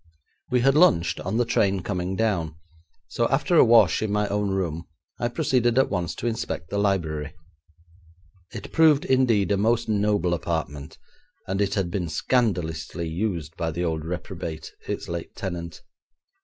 We had lunched on the train coming down, so after a wash in my own room I proceeded at once to inspect the library. It proved, indeed, a most noble apartment, and it had been scandalously used by the old reprobate, its late tenant.